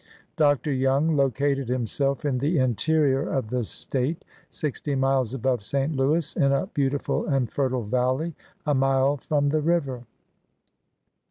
Dr. Young located himself in the interior of the State, sixty miles above St. Louis, in a beautiful and fertile valley, a mile from the river.